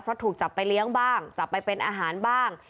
เพราะถูกจับไปเลี้ยงบ้างจับไปเป็นอาหารบ้าง